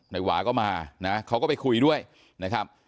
นายหวาก็มานะเขาก็ไปคุยด้วยนะครับ